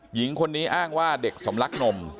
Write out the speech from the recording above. หญิงคนนี้อ้างว่าเด็กสำลักนม